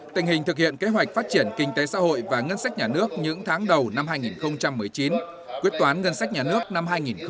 tình hình thực hiện kế hoạch phát triển kinh tế xã hội và ngân sách nhà nước những tháng đầu năm hai nghìn một mươi chín quyết toán ngân sách nhà nước năm hai nghìn một mươi bảy